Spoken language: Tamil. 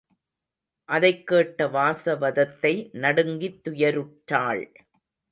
அதைக் கேட்ட வாசவதத்தை நடுங்கித் துயருற்றாள்.